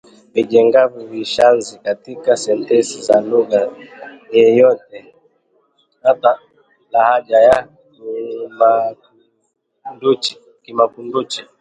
vijengavyo vishazi katika sentensi za lugha yeyote hata lahaja ya Kimakunduchi